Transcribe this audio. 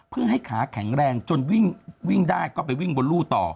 เพื่อให้ขาแข็งแรงจนวิ่งได้ก็ไปวิ่งบนรู่ต่อ